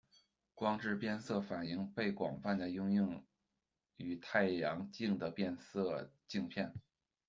光致变色反应被广泛地应用于太阳镜的变色镜片。